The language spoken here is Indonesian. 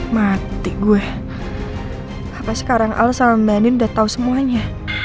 mati gue apa sekarang ala sama andien udah tau semuanya